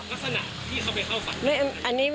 ลักษณะที่เขาไปเข้าฝัน